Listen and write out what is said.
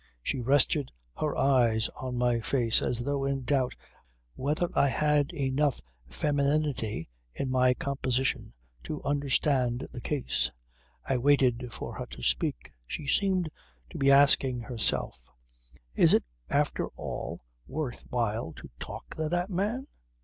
She rested her eyes on my face as though in doubt whether I had enough femininity in my composition to understand the case. I waited for her to speak. She seemed to be asking herself; Is it after all, worth while to talk to that man?